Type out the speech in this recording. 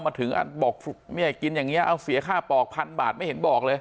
มาถึงบอกเนี่ยกินอย่างนี้เอาเสียค่าปอกพันบาทไม่เห็นบอกเลย